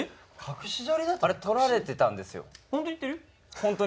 あれ、撮られてたんですよ。